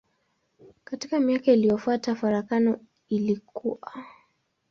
Katika miaka iliyofuata farakano ilikua.